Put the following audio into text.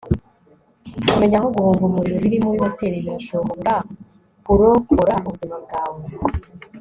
kumenya aho guhunga umuriro biri muri hoteri birashobora kurokora ubuzima bwawe